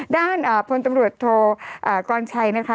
ด้านพลตำรวจโทกรชัยนะคะ